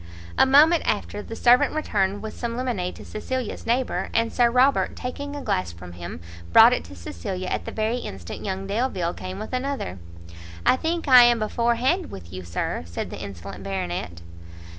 A moment after, the servant returned with some lemonade to Cecilia's neighbour, and Sir Robert, taking a glass from him, brought it to Cecilia at the very instant young Delvile came with another. "I think I am before hand with you, Sir," said the insolent Baronet.